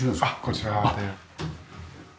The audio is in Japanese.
こちらで。